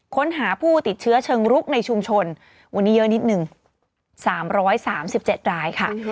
ค้นหาผู้ติดเชื้อเชิงรุกในชุมชนวันนี้เยอะนิดนึง๓๓๗รายค่ะ